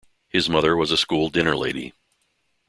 His mother was a school dinner lady.